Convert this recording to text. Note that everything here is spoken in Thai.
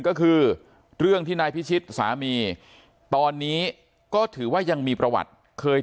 ก็คือเรื่องที่นายพิชิตสามีตอนนี้ก็ถือว่ายังมีประวัติเคย